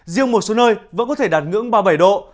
riêng một số nơi vẫn có thể đạt ngưỡng ba mươi bảy độ